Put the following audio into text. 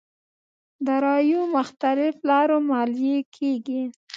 داراییو مختلف لارو ماليې کېږي.